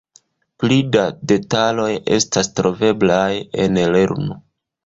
Pli da detaloj estas troveblaj en lernu!